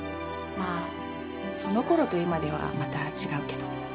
まあそのころと今ではまた違うけど。